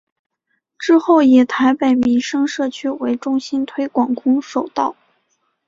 之后以台北民生社区为中心推广空手道。